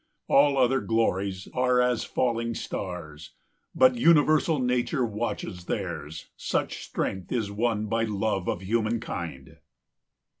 All other glories are as falling stars, But universal Nature watches theirs: 185 Such strength is won by love of human kind.